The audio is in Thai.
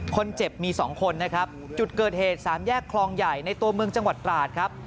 คนเจ็บมี๒คนนะครับจุดเกิดเหตุสามแยกคลองใหญ่ในตัวเมืองจังหวัดตราดครับ